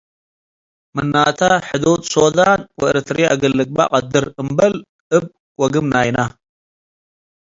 ምናተ፡ ሕዱድ ሶዳን ወኤረትርያ እግል ልግበእ ቀድር እምብል እብ ወግም ናይነ ።